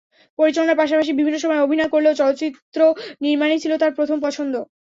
পরিচালনার পাশাপাশি বিভিন্ন সময় অভিনয় করলেও চলচ্চিত্র নির্মাণই ছিল তাঁর প্রথম পছন্দ।